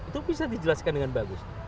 itu bisa dijelaskan dengan bagus